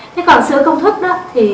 thế còn sữa công thức đó thì